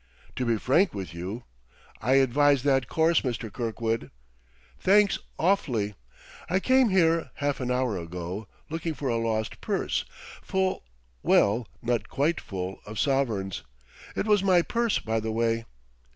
"To be frank with you " "I advise that course, Mr. Kirkwood." "Thanks, awf'ly.... I came here, half an hour ago, looking for a lost purse full well, not quite full of sovereigns. It was my purse, by the way."